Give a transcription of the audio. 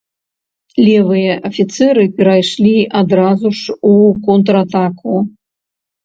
Левыя афіцэры перайшлі адразу ж у контратаку.